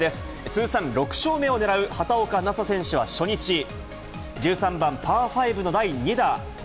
通算６勝目を狙う畑岡奈紗選手は初日、１３番パー５の第２打。